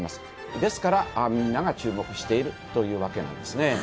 ですから、みんなが注目しているというわけなんですね。